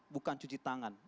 bukan cuci tangan